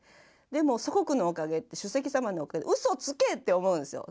でも祖国のおかげ主席様のおかげうそつけって思うんですよ。